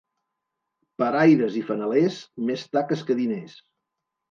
Paraires i fanalers, més taques que diners.